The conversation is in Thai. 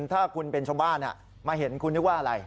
ถ้าคุณเป็นชาวบ้านมาเห็นคุณนึกว่าอะไร